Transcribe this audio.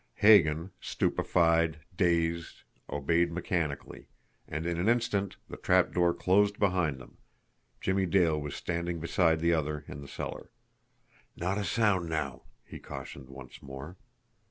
Hagan, stupefied, dazed, obeyed mechanically and, in an instant, the trapdoor closed behind them, Jimmie Dale was standing beside the other in the cellar. "Not a sound now!" he cautioned once more.